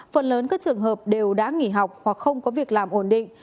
phần lớn các trường hợp đều đã nghỉ học hoặc không có việc làm ổn định